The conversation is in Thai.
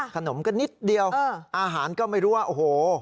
ขนมก็นิดเดียวอาหารก็ไม่รู้ว่าโอ้โห